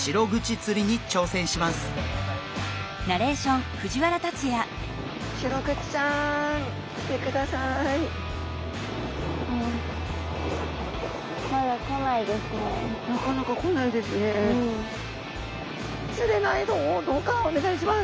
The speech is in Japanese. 釣れないぞどうかお願いします！